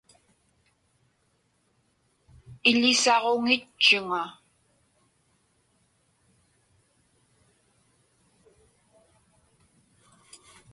Iḷisaġuŋitchuŋa.